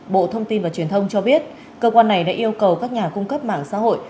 điện tử và truyền thông cho biết cơ quan này đã yêu cầu các nhà cung cấp mạng xã hội